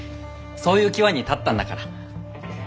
そういう際に立ったんだから。